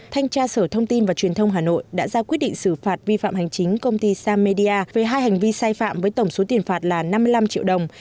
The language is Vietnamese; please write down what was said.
thanh tra sở thông tin và truyền thông hà nội đã ra quyết định xử phạt vi phạm hành chính công ty samedia về hai hành vi sai phạm với tổng số tiền phạt là năm mươi năm triệu đồng